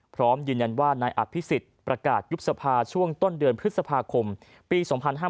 พร้อมยืนยันว่านายอภิษฎประกาศยุบสภาช่วงต้นเดือนพฤษภาคมปี๒๕๕๙